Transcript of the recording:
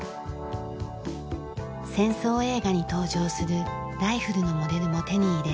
戦争映画に登場するライフルのモデルも手に入れ